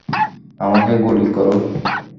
আমাকে গুলি করো।